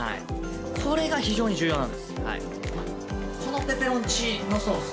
これが非常に重要なんです。